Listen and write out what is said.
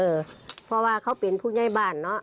เพราะว่าเขาเป็นผู้ใหญ่บ้านเนอะ